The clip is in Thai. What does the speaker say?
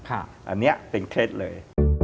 อันนี้เป็นเคล็ดเลย